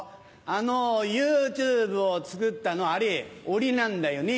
あのＹｏｕＴｕｂｅをつくったのアレオレなんだよね。